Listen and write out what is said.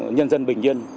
nhân dân bình yên